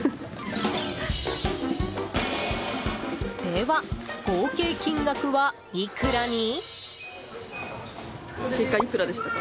では、合計金額はいくらに？